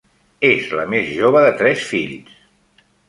És la més jove de tres fills.